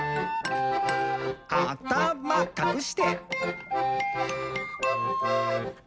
「あたまかくして！」